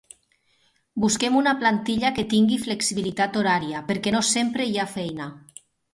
Busquem una plantilla que tingui flexibilitat horària, perquè no sempre hi ha feina.